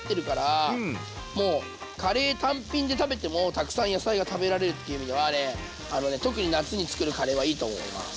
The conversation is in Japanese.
もうカレー単品で食べてもたくさん野菜が食べられるっていう意味では特に夏につくるカレーはいいと思います。